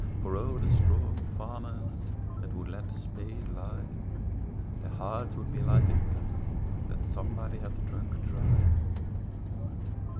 For O the strong farmers That would let the spade lie, For their hearts would be like a cup That somebody had drunk dry.